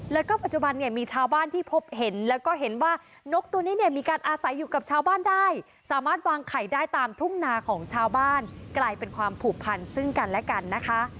แล้วก็ปัจจุบันเนี่ยมีชาวบ้านที่พบเห็นแล้วก็เห็นว่านกตัวนี้เนี่ยมีการอาศัยอยู่กับชาวบ้านได้สามารถวางไข่ได้ตามทุ่งนาของชาวบ้านกลายเป็นความผูกพันซึ่งกันและกันนะคะ